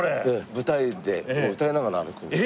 舞台で歌いながら歩くんです。